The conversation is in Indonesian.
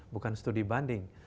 bukan studi banding